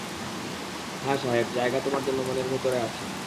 হ্যাঁ সাহেব, জায়গা তোমার জন্য মনের ভেতরে আছে।